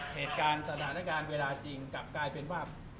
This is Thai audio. เหตุการณ์สถานการณ์เวลาจริงกลับกลายเป็นว่า